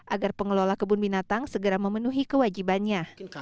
agar pengelola kebun binatang segera memenuhi kewajibannya